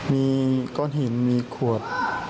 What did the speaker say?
มีก้อนหินมีขวด